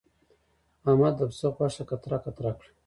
احمد د پسه غوښه قطره قطره کړه.